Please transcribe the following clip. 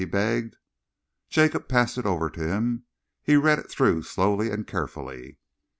he begged. Jacob passed it over to him. He read it through slowly and carefully.